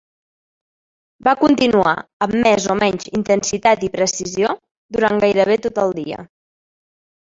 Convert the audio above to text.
Va continuar, amb més o menys intensitat i precisió, durant gairebé tot el dia.